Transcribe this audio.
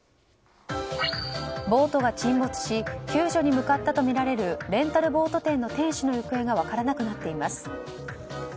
ボートが沈没し救助に向かったとみられるレンタルボート店の店主の行方が分からなくなっています。